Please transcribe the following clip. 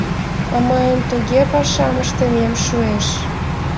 А мыйын туге пашам ыштымем шуэш...